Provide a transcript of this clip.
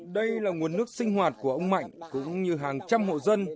đây là nguồn nước sinh hoạt của ông mạnh cũng như hàng trăm hộ dân